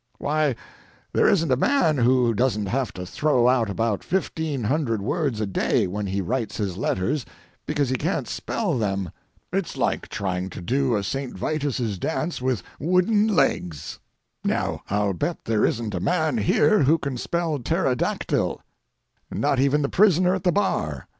Why, there isn't a man who doesn't have to throw out about fifteen hundred words a day when he writes his letters because he can't spell them! It's like trying to do a St. Vitus's dance with wooden legs. Now I'll bet there isn't a man here who can spell "pterodactyl," not even the prisoner at the bar.